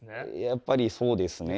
やっぱりそうですね。